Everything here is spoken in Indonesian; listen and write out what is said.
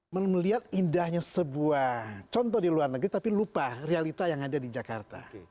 melihat indahnya sebuah contoh di luar negeri tapi lupa realita yang ada di jakarta